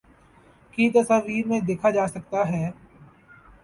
کی تصاویر میں دیکھا جاسکتا ہے